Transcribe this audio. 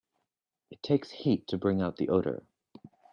It takes heat to bring out the odor.